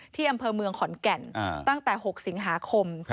ที่อำเภอเมืองขอนแก่นตั้งแต่๖สิงหาคม